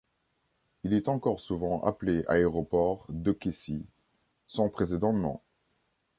Il est encore souvent appelé aéroport d'Okecie, son précédent nom.